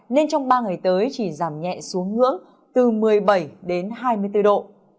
nên trong ba ngày tới chỉ giảm nhẹ xuống ngưỡng từ một mươi bảy đến hai mươi bốn độ